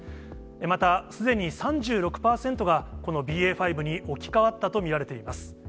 また、すでに３６％が、このＢＡ．５に置き換わったと見られています。